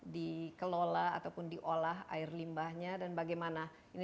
dikelola ataupun diolah air limbahnya dan apa yang harus dilakukan